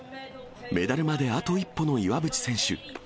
メダルまであと一歩の岩渕選手。